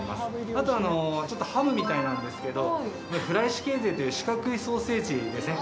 あと、ちょっとハムみたいなんですけどフライシュケーゼという四角いソーセージですね。